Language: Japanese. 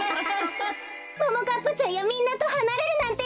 ももかっぱちゃんやみんなとはなれるなんていや！